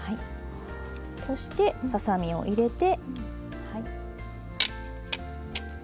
そしてささ身を入れて。